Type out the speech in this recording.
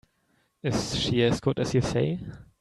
Is she as good as you say?